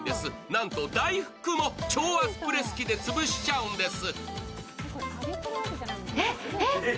なんと大福も超圧プレス機で潰しちゃうんです。